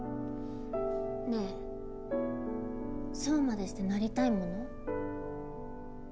ねえそうまでしてなりたいもの？